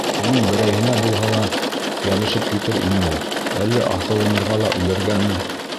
Шуның берәйһенә булһа ла йәбешеп китер ине ул. Әллә аҫылынырға ла үлергәме?